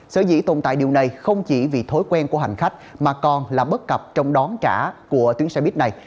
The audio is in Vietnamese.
sở dĩ tồn tại điều này không chỉ vì thói quen của hành khách mà còn là bất cập trong đón trả của tuyến xe buýt này